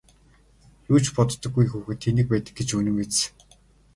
Юу ч боддоггүй хүүхэд тэнэг байдаг гэж үнэн биз!